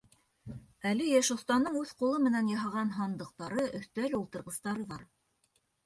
Әле йәш оҫтаның үҙ ҡулы менән яһаған һандыҡтары, өҫтәл-ултырғыстары бар.